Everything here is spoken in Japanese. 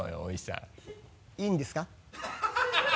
「いいんですか？」